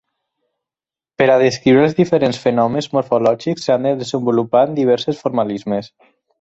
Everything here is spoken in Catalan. Per a descriure els diferents fenòmens morfològics s'han desenvolupat diversos formalismes.